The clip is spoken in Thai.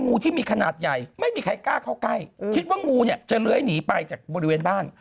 งูที่มีขนาดใหญ่ไม่มีใครกล้าเข้าใกล้คิดว่างูเนี่ยจะเลื้อยหนีไปจากบริเวณบ้าน